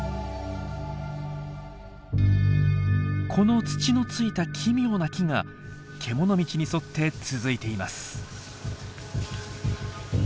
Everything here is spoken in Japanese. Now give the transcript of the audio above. この土のついた奇妙な木がけもの道に沿って続いています。